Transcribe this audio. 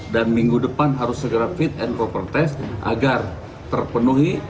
dan minggu depan harus segera fit and proper test agar terpenuhi